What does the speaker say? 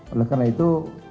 oleh karena itu